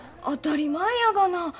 当たり前やがな。